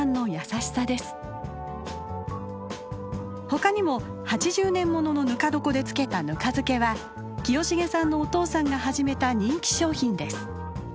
ほかにも８０年物のぬか床で漬けたぬか漬けは清重さんのお父さんが始めた人気商品です。